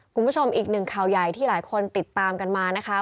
คุณผู้ชมอีกหนึ่งข่าวใหญ่ที่หลายคนติดตามกันมานะคะ